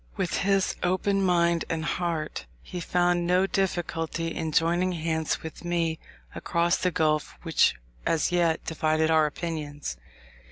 With his open mind and heart, he found no difficulty in joining hands with me across the gulf which as yet divided our opinions.